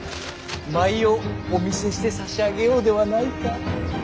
舞をお見せしてさしあげようではないか。